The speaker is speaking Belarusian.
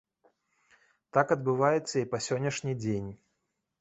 Так адбываецца і па сённяшні дзень.